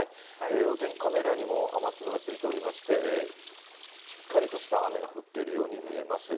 お天気カメラにも雨粒がついておりまして、しっかりとした雨が降ってるように見えます。